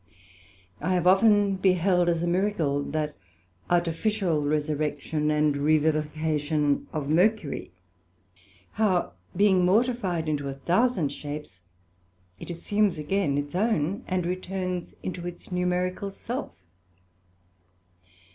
I have often beheld as a miracle, that artificial resurrection and revivification of Mercury, how being mortified into a thousand shapes, it assumes again its own, and returns into its numerical self.